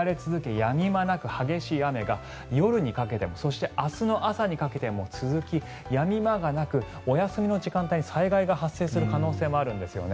やみ間なく激しい雨が夜にかけてもそして明日の朝にかけても続きやみ間がなく、お休みの時間帯に災害が発生する可能性もあるんですよね。